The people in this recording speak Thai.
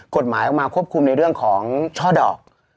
กฎหมายออกมาควบคุมในเรื่องของช่อดอก